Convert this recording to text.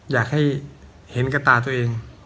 อยากให้เห็นกับตาตัวเอง